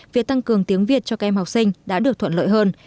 việc tăng cường tiếng việt cho các em học sinh đã được thuận lợi hơn